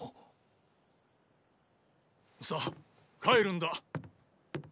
さあ帰るんだ。